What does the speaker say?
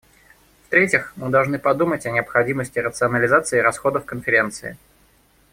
В-третьих, мы должны подумать о необходимости рационализации расходов Конференции.